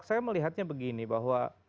saya melihatnya begini bahwa